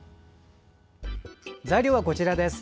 材料はこちらです。